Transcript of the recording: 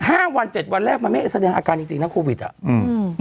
ห้าวันเจ็ดวันแรกมันไม่แสดงอาการจริงจริงนะโควิดอ่ะอืม